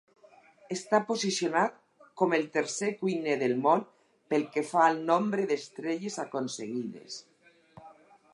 Està posicionat com el tercer cuiner del món pel que fa al nombre d'estrelles aconseguides.